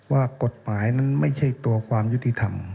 ว่ากฎหมายนั้นไม่ใช่ตัวความยุติธรรม